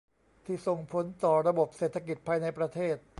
ที่ส่งผลต่อระบบเศรษฐกิจภายในประเทศ